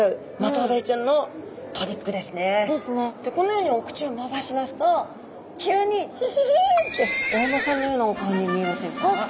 でこのようにお口を伸ばしますと急にヒヒヒンってお馬さんのようなお顔に見えませんか？